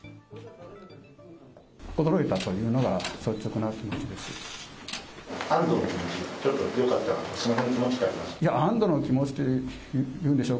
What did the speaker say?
驚いたというのが、率直な気持ちです。